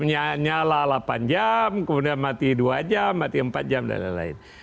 nyala delapan jam kemudian mati dua jam mati empat jam dan lain lain